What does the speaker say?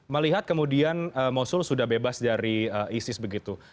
melihat kemudian mosul sudah bebas dari isis begitu